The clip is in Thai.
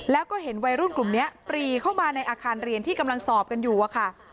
แล้วก็เห็นวัยรุ่นกลุ่มนี้ปรีเข้ามาในอาคารเรียนที่กำลังสอบกันอยู่อะค่ะ